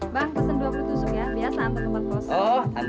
bang pesen dua putusuk ya biasa antar ke tempat kosong